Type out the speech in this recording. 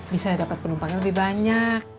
bisa dapat penumpangnya lebih banyak